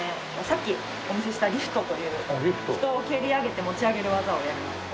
さっきお見せしたリフトという人を蹴り上げて持ち上げる技をやります。